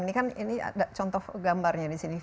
ini kan ini ada contoh gambarnya di sini